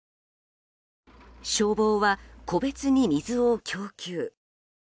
消防は個別に水を供給。